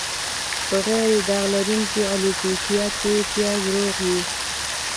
په غیر داغ لرونکې الوپیسیا کې پیاز روغ وي.